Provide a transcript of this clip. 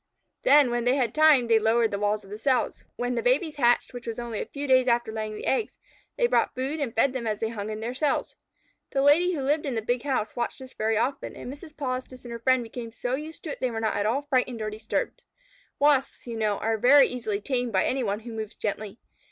Then, when they had time, they lowered the walls of the cells. When the babies hatched, which was only a few days after the laying of the eggs, they brought food and fed them as they hung in their cells. The Lady who lived in the big house watched this very often, and Mrs. Polistes and her friend became so used to it that they were not at all frightened or disturbed. Wasps, you know, are very easily tamed by any one who moves gently.